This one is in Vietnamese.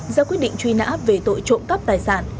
ra quyết định truy nã về tội trộm cắp tài sản